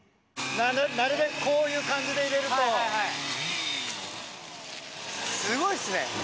なるべくこういう感じで入れすごいっすね。